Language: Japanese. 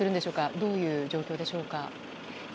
どういう状況でしょうか。